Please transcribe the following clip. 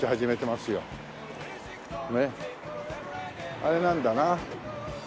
あれなんだな。